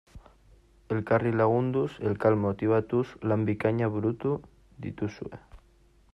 Elkarri lagunduz, elkar motibatuz, lan bikainak burutu dituzte.